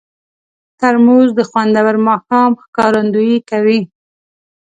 ترموز د خوندور ماښام ښکارندویي کوي.